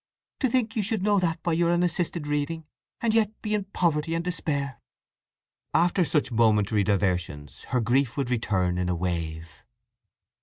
To think you should know that by your unassisted reading, and yet be in poverty and despair!" After such momentary diversions her grief would return in a wave.